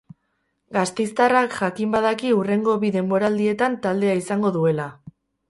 Gasteiztarrak jakin badaki hurrengo bi denboraldietan taldea izango duela.